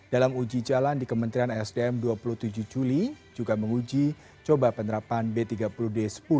dalam uji jalan di kementerian sdm dua puluh tujuh juli juga menguji coba penerapan b tiga puluh d sepuluh